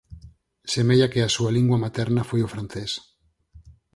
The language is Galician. Semella que a súa lingua materna foi o francés.